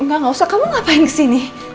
enggak enggak usah kamu ngapain kesini